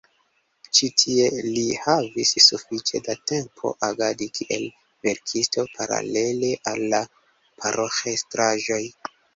Tie ĉi li havis sufiĉe da tempo agadi kiel verkisto paralele al la paroĥestraĵoj.